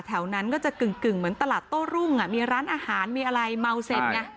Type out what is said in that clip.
แถวนั้นก็จะกึ่งเหมือนตลาดโต้รุ่งมีร้านอาหารมีอะไรเมาเสร็จไง